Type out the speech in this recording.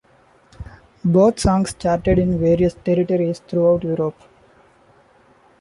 Both songs charted in various territories throughout Europe.